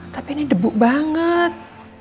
tapi ini debu banget